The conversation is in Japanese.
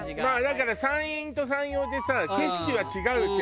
だから山陰と山陽でさ景色は違うけど